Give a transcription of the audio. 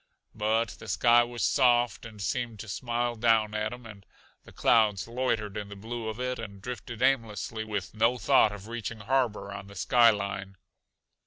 But the sky was soft and seemed to smile down at him, and the clouds loitered in the blue of it and drifted aimlessly with no thought of reaching harbor on the sky line.